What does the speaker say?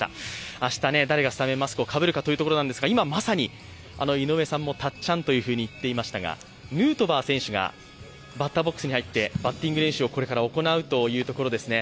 明日、誰がスタメンマスクをかぶるかというところですが井上さんもたっちゃんと言っていましたが、ヌートバー選手がバッターボックスに入ってバッティング練習をこれから行うというところですね。